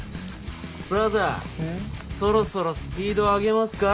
ブラザーそろそろスピード上げますか。